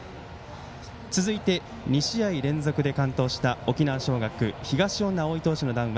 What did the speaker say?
続いて２試合連続で完投した沖縄尚学、東恩納蒼投手の談話